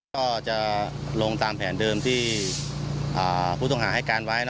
ก็จะลงตามแผนเดิมที่ผู้ต้องหาให้การไว้